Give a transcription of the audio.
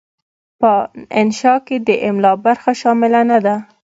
په انشأ کې د املاء برخه شامله نه ده.